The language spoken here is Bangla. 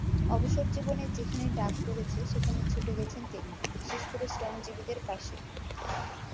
অবসরজীবনে যেখানেই ডাক পড়েছে, সেখানেই ছুটে গেছেন তিনি, বিশেষ করে শ্রমজীবীদের পাশে।